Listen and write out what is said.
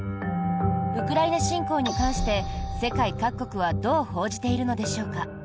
ウクライナ侵攻に関して世界各国はどう報じているのでしょうか。